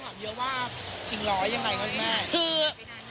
คือสิบเนื่องจากไม่ได้หายไปนานมาคือไม่ได้ทำเลย